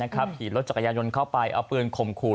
ขี่รถจักรยานยนต์เข้าไปเอาปืนข่มขู่